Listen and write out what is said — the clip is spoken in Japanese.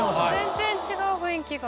全然違う雰囲気が。